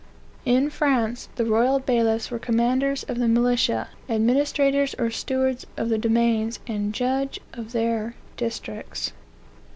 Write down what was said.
In France, the royal bailiffs were commanders of the militia, administrators or stewards of the domains, and judges of their districts.